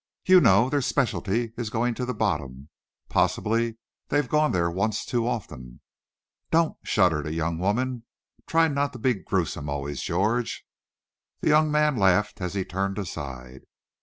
"You know, their specialty is going to the bottom. Possibly they've gone there once too often." "Don't!" shuddered a young woman. "Try not to be gruesome always, George." The young man laughed as he turned aside.